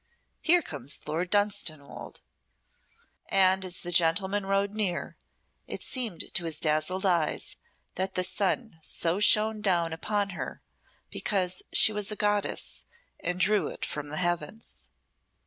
Here comes Lord Dunstanwolde." And as the gentleman rode near, it seemed to his dazzled eyes that the sun so shone down upon her because she was a goddess and drew it from the heavens.